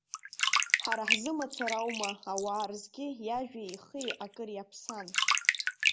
Ҳара ҳзы мацара аума, ауаа рзгьы иажәеи ихи акыр иаԥсан.